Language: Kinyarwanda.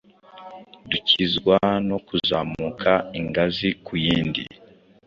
Dukizwa no kuzamuka ingazi ku yindi,